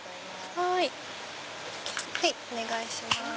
はいお願いします。